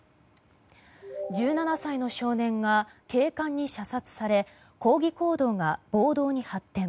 １７歳の少年が警官に射殺され抗議行動が暴動に発展。